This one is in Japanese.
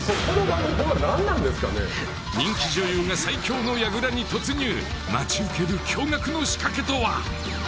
人気女優が最強の櫓に突入待ち受ける驚愕の仕掛けとは？